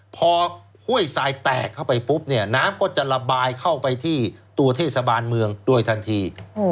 พอห้วยทรายแตกเข้าไปปุ๊บเนี่ยน้ำก็จะระบายเข้าไปที่ตัวเทศบาลเมืองโดยทันที